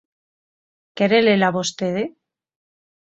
¿Quere lela vostede?